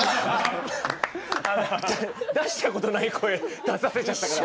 出したことない声出させちゃったから。